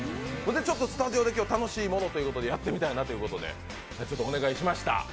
ちょっとスタジオで今日楽しいものやってみたいということでお願いしました。